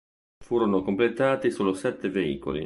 Furono completati solo sette veicoli.